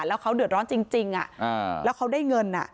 แล้วเขาเดือดร้อนจริงแล้วเขาได้เงิน